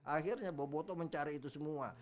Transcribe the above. akhirnya boboto mencari itu semua